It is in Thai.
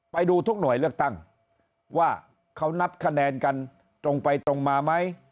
ไปดูทุกหน่วยเลือกตั้งว่าเขานับคะแนนกันตรงไปตรงมาไหม